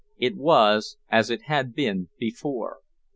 It was as it had been before.